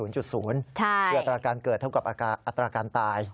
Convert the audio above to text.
คืออัตราการเกิดเท่ากับอัตราการตาย